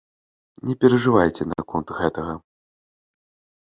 Не перажывайце наконт гэтага.